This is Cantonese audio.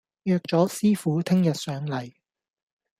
約咗師傅聽日上嚟